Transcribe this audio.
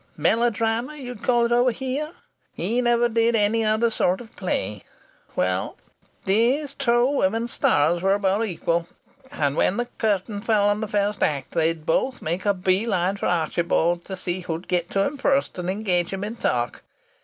Melodrama you'd call it over here. He never did any other sort of play. Well, these two women stars were about equal, and when the curtain fell on the first act they'd both make a bee line for Archibald to see who'd get to him first and engage him in talk.